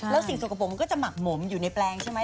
แล้วสิ่งสกปรกมันก็จะหมักหมมอยู่ในแปลงใช่ไหม